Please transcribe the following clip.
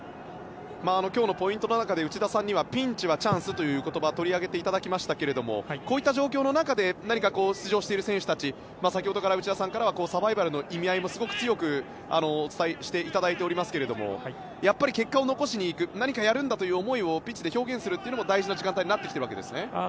今日のポイントの中で内田さんにはピンチはチャンスという言葉を取り上げていただきましたけどもこういった状況の中で何か出場している選手たち先ほどから内田さんからはサバイバルの意味合いも強くお伝えしていただいていますがやっぱり、結果を残しにいく何かやるんだという思いもピッチで表現するのも大事な時間帯ですね。